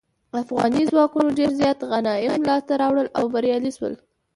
افغاني ځواکونو ډیر زیات غنایم لاسته راوړل او بریالي شول.